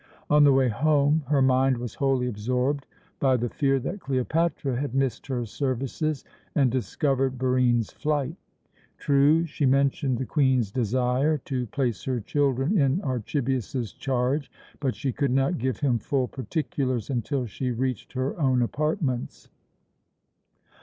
On the way home her mind was wholly absorbed by the fear that Cleopatra had missed her services and discovered Barine's flight. True, she mentioned the Queen's desire to place her children in Archibius's charge, but she could not give him full particulars until she reached her own apartments.